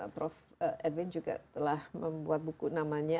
prof edwin juga telah membuat buku namanya